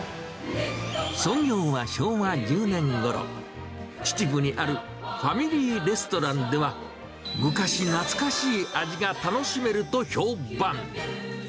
創業は昭和１０年ごろ、秩父にあるファミリーレストランでは、昔懐かしい味が楽しめると評判。